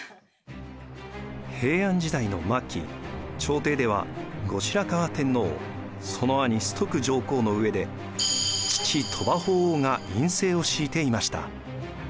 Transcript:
平安時代の末期朝廷では後白河天皇その兄崇徳上皇の上で父鳥羽法皇が院政を敷いていました。